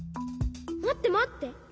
まってまって。